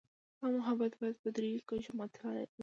دا مبحث باید په درېیو کچو مطالعه شي.